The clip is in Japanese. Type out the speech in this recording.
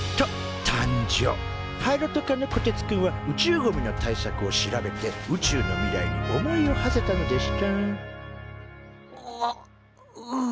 パイロット科のこてつくんは宇宙ゴミの対策を調べて宇宙の未来に思いをはせたのでしたあううあ。